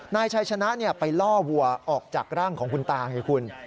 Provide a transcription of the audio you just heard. นายชัยชนะไปล่อวัวออกจากร่างของคุณตาไงคุณ